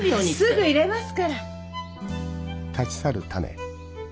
すぐいれますから！